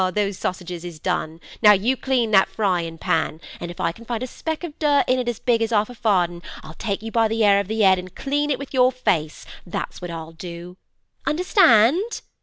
ho ho!—These sausages is done; now you clean that fryin' pan; and if I can find a speck of dirt in it as big as 'arlf a farden, I'll take you by the 'air of the 'ed an' clean it with your face, that's what I'll do! Understand?